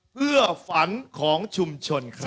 เพื่อฝันของชุมชนครับ